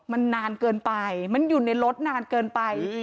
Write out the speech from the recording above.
มันนานเกินไปมันอยู่ในรถนานเกินไป